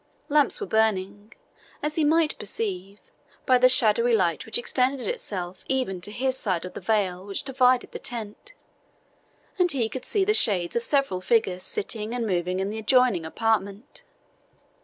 Lamps were burning, as he might perceive by the shadowy light which extended itself even to his side of the veil which divided the tent, and he could see shades of several figures sitting and moving in the adjoining apartment.